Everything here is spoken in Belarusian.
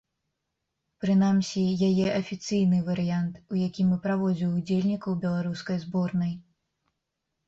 Прынамсі, яе афіцыйны варыянт, у якім і праводзіў удзельнікаў беларускай зборнай.